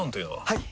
はい！